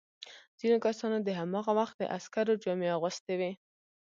ځینو کسانو د هماغه وخت د عسکرو جامې اغوستي وې.